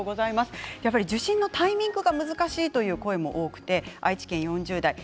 受診のタイミングが難しいという声も多くて愛知県４０代の方。